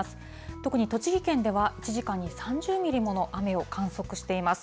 特に栃木県では、１時間に３０ミリもの雨を観測しています。